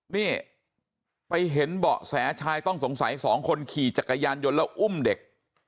นี่ไปเห็นเบาะแสชายต้องสงสัยสองคนขี่จักรยานยนต์แล้วอุ้มเด็ก